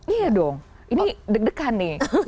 iya dong ini deg degan nih